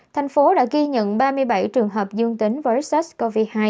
thành phố đã ghi nhận ba mươi bảy trường hợp dương tính với sars cov hai